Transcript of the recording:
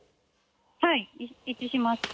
はい一致します。